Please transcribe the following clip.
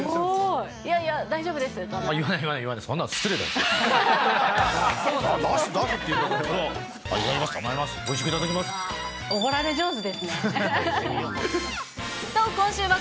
いやいや、大丈夫ですとかは。